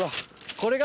これが。